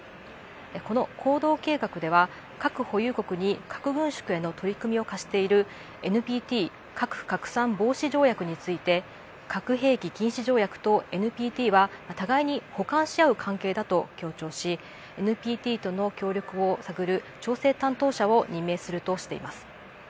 この行動計画では核保有国に核軍縮への取り組みを課しているＮＰＴ＝核拡散防止条約について核兵器禁止条約とＮＰＴは互いに補完し合う関係だと強調しＮＰＴとの協力を探る調整担当者を任命するとしています。